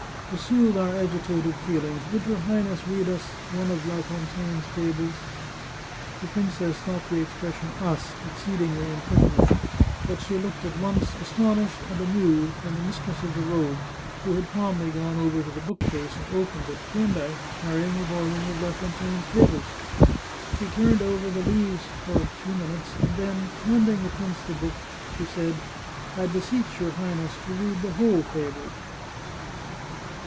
To soothe our agitated feelings, would your Highness read us one of La Fontaine's fables ?" The princess thought the expression " us " exceedingly impertinent, but she looked at once astonished and amused when the mistress of the robes, who had calmly gone over to the bookcase and opened it, came back carrying a volume of La Fontaine's Fables. She turned over the leaves for a few minutes, and then, handing the prince the book, she said :" I beseech your Highness to read the whole fable."